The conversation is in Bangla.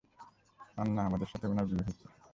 আর না আমার সাথে উনার বিয়ে হয়েছে।